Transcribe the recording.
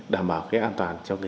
đảm bảo cái an toàn cho người